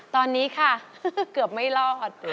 ตอนนี้ค่ะเกือบไม่รอด